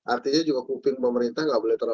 artinya juga kuping pemerintah gak boleh terhutu